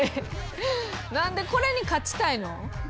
何でこれに勝ちたいの？